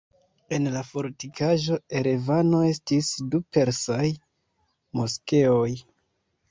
En la fortikaĵo Erevano estis du persaj moskeoj.